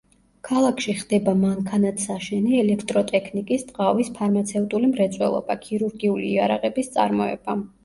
ქალაქში ხდება მანქანათსაშენი, ელექტროტექნიკის, ტყავის, ფარმაცევტული მრეწველობა, ქირურგიული იარაღების წარმოება.